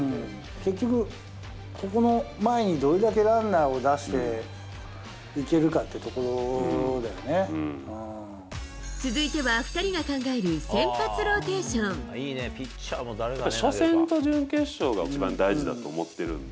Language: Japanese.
結局ここの前にどれだけランナーを出していけるかというとこ続いては２人が考える先発ロ初戦と準決勝が一番大事だと思ってるんで。